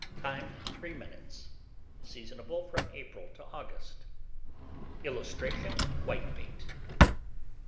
Time. 3 minutes. _Seasonable _from April to August. [Illustration: WHITEBAIT.